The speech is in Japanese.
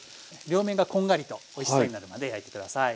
両面がこんがりとおいしそうになるまで焼いて下さい。